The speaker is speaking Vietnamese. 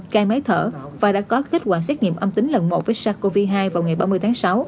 cai máy thở và đã có kết quả xét nghiệm âm tính lần một với sars cov hai vào ngày ba mươi tháng sáu